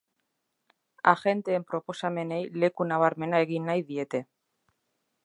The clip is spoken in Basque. Agenteen proposamenei leku nabarmena egin nahi diete.